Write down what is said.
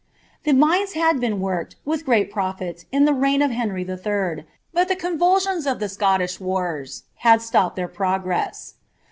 The mines had been worked, j^reat profit, in the reign of Henry III., but the convulsions of the sh wars had stopped their progress.